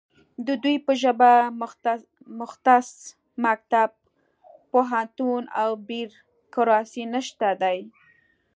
د دوی په ژبه مختص مکتب، پوهنتون او بیرکراسي نشته دی